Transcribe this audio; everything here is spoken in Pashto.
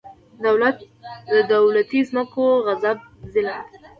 د دولتي ځمکو غصب ظلم دی.